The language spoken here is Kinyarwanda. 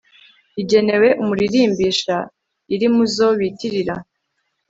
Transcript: igenewe umuririmbisha. iri mu zo bitirira